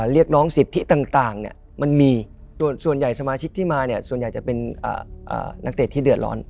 เรียกร้องสิทธิต่างมันมีส่วนใหญ่สมาชิกที่มาเนี่ยส่วนใหญ่จะเป็นนักเตะที่เดือดร้อน